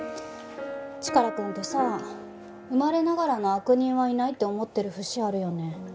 チカラくんってさ生まれながらの悪人はいないって思ってる節あるよね。